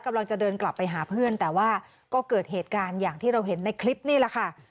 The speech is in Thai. กำลังจะเดินกลับไปหาเพื่อนแต่ว่าก็เกิดเหตุการณ์อย่างที่เราเห็นในคลิปนี่แหละค่ะ